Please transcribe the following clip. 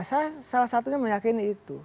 saya salah satunya meyakini itu